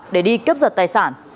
để đi cướp giật tài sản